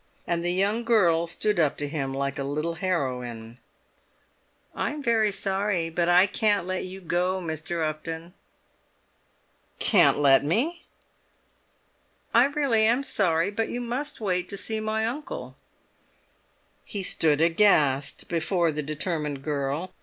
And the young girl stood up to him like a little heroine. "I'm very sorry, but I can't let you go, Mr. Upton." "Can't let me?" "I really am sorry—but you must wait to see my uncle." He stood aghast before the determined girl.